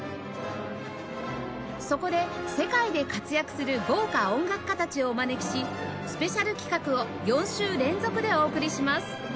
そこで世界で活躍する豪華音楽家たちをお招きしスペシャル企画を４週連続でお送りします